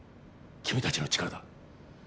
君たちの力だ。